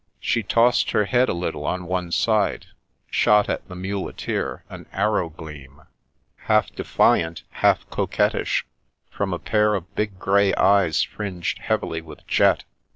She tossed her head a little on one side, shot at the muleteer an arrow gleam, half defiant, half, coquettish, from a pair of big grey eyes fringed heavily with jet.